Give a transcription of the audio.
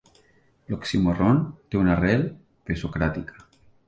L'oxímoron té una arrel presocràtica.